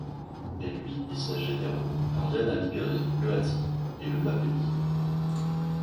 Mais lui et ses généraux parviennent à libérer le Hatti et le Bas-Pays.